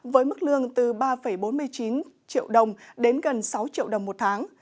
với mức lương từ ba bốn mươi chín triệu đồng đến gần sáu triệu đồng một tháng